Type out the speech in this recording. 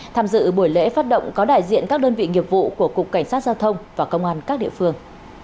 tham dự buổi lễ phát động có đại diện các đơn vị nghiệp vụ của cục cảnh sát giao thông và công an các địa phương